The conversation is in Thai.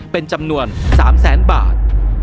เป็นจำนวน๓แสนบาท